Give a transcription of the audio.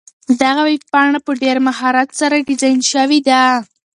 دغه ویبپاڼه په ډېر مهارت سره ډیزاین شوې ده.